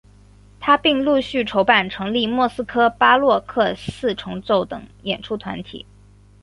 他并陆续筹办成立莫斯科巴洛克四重奏等演出团体。